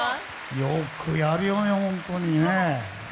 よくやるよね、本当にね。